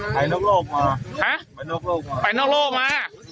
ไปนอกโลกมา